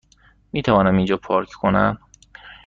میتوانم اینجا پارک کنم؟